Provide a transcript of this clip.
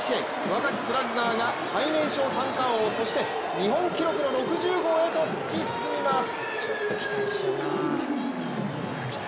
若きスラッガーが最年少三冠王そして日本記録の６０号へと突き進みます。